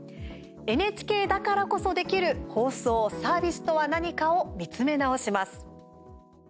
ＮＨＫだからこそできる放送、サービスとは何かを見つめ直します。